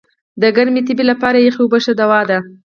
د ګرمي تبي لپاره یخي اوبه ښه دوا ده.